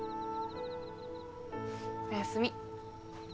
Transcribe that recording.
おやすみ。